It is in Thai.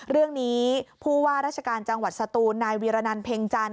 เรื่องนี้ผู้ว่าราชการจังหวัดสตูนนายวีรนันเพ็งจันท